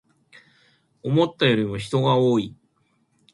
思ったよりも人が多い